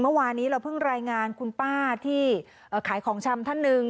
เมื่อวานี้เราเพิ่งรายงานคุณป้าที่ขายของชำท่านหนึ่ง